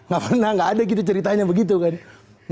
gak pernah nggak ada gitu ceritanya begitu kan